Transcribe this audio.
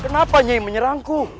kenapa nyai menyerangku